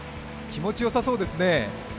気持ちよさそうですね。